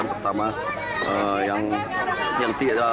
yang pertama yang tiada